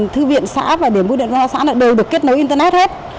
thư viện xã và điểm quy định xã đã đều được kết nối internet hết